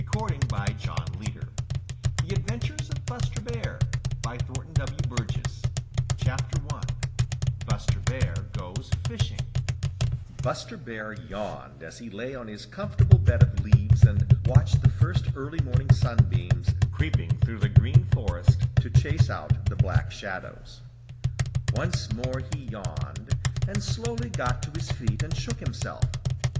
THOSE WHO COULD CLIMB, CLIMBED 112 THE ADVENTURES OF BUSTER BEAR I BUSTER BEAR GOES FISHING Buster Bear yawned as he lay on his comfortable bed of leaves and watched the first early morning sunbeams creeping through the Green Forest to chase out the Black Shadows. Once more he yawned, and slowly got to his feet and shook himself.